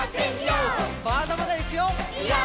まだまだいくよ！